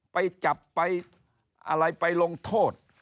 ไปจับไปอะไรไปลงโทษ